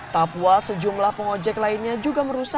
papua sejumlah pengojek lainnya juga merusak